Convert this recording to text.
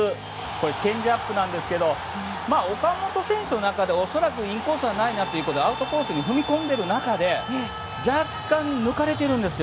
チェンジアップなんですが岡本選手の中では、恐らくインコースはないなということでアウトコースに踏み込んでいる中で若干抜かれているんですよ。